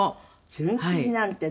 純金なんてね！